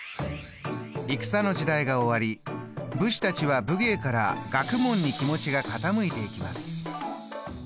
戦の時代が終わり武士たちは武芸から学問に気持ちが傾いていきます。